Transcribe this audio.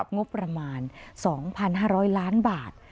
งบประมาณ๒๕๐๐ล้านบาท